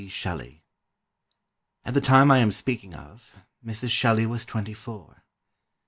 Shelley._] "... At the time I am speaking of, Mrs. Shelley was twenty four.